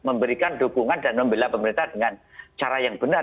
memberikan dukungan dan membela pemerintah dengan cara yang benar